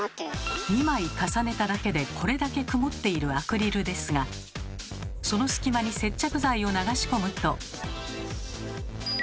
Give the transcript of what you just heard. ２枚重ねただけでこれだけ曇っているアクリルですがその隙間に接着剤を流し込むと。